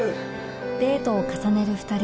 デートを重ねる２人